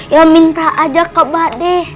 ya minta aja kak mbak deh